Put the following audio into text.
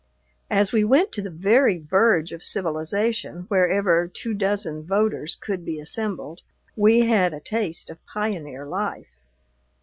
As we went to the very verge of civilization, wherever two dozen voters could be assembled, we had a taste of pioneer life.